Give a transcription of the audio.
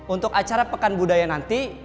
untuk acara pekan budaya nanti